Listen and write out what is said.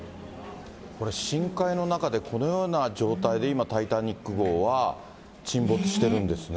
これ、深海の中でこのような状態で今、タイタニック号は沈没しているんですね。